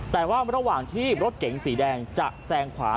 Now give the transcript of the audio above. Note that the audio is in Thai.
แต่ว่าระหว่างที่รถเก๋งสีแดงจะแซงขวา